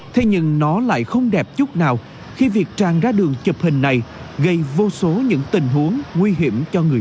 thế nhưng nó lại không đẹp chút nào khi việc tràn ra đường chụp hình này gây vô số nguy cơ